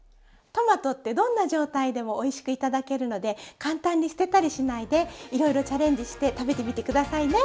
トマトってどんな状態でもおいしく頂けるので簡単に捨てたりしないでいろいろチャレンジして食べてみて下さいね。